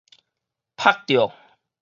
曝著